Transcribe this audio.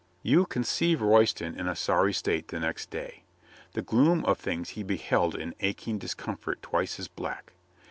You conceive Royston in a sorry state the next day. The gloom of things he beheld in aching dis comfort twice as black.